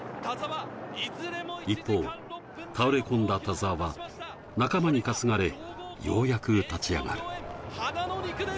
一方、倒れ込んだ田澤は仲間に担がれようやく立ち上がる。